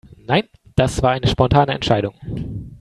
Nein, das war eine spontane Entscheidung.